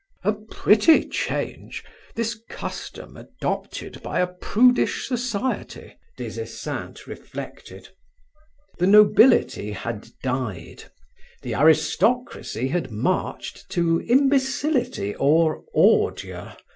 "A pretty change this custom adopted by a prudish society!" Des Esseintes reflected. The nobility had died, the aristocracy had marched to imbecility or ordure!